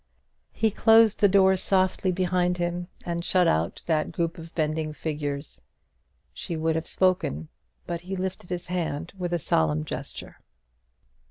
He closed the door softly behind him, and shut out that group of bending figures. She would have spoken; but he lifted his hand with a solemn gesture.